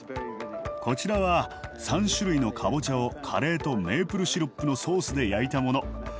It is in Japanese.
こちらは３種類のかぼちゃをカレーとメープルシロップのソースで焼いたもの。